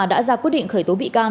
đã ra quy định khởi tố bị can